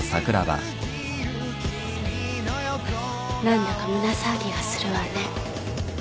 何だか胸騒ぎがするわね。